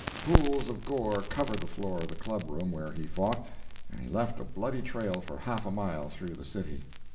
Pools of gore covered the floor of the Club Room where he fought, and he left a bloody trail for half a mile through the city.